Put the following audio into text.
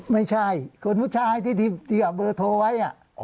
ไม่ใช่คนผู้ชายที่เอาเบอร์โทรไว้